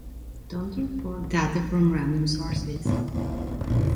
Don’t import data from random sources.